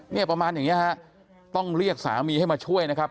เนี่ยประมาณอย่างนี้ฮะต้องเรียกสามีให้มาช่วยนะครับ